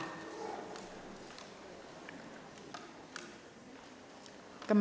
นายโกวิทย์บุญทวีค่ะราชกรรมค่ะ